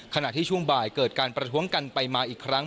ขณะที่ช่วงบ่ายเกิดการประท้วงกันไปมาอีกครั้ง